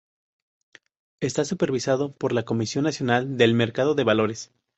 Está supervisado por la Comisión Nacional del Mercado de Valores.